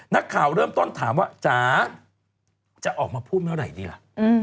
นักข่าวเริ่มต้นถามว่าจ๋าจะออกมาพูดเมื่อไหร่ดีล่ะ